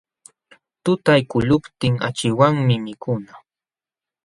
Tutaykuqluptin akchiwanmi mikuna.